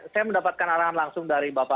saya mendapatkan arahan langsung dari bapak